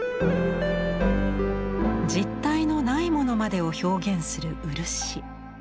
実体のないものまでを表現する漆。